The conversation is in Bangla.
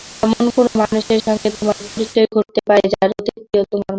এমন কোনো মানুষের সঙ্গে তোমার পরিচয় ঘটতে পারে, যার অতীতটিও তোমার মতো।